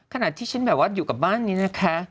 ขณะที่ฉันแบบว่าอยู่กับบ้านนี้นะคะ